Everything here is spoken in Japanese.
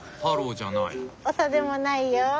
オサでもないよ。